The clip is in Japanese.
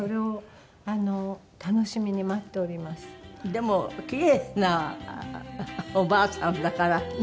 でもキレイなおばあさんだから。